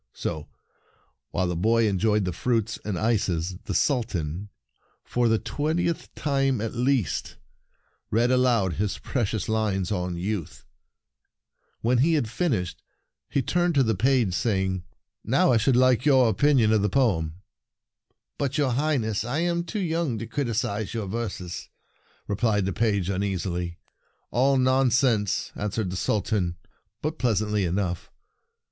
So, while the boy enjoyed the fruits and ices, the Sultan, for the twentieth time at least, read aloud his precious Hnes on youth. "When he had finished, he turned to the page, saying: In Clover A Request 72 The Sultan's Pray Excuse Me! A Desperate Resolution " Now I should like your opin ion of the poem." "But, your Highness, I am too young to criticize your verses," replied the page un easily. "All nonsense," answered the Sultan, but pleasantly enough.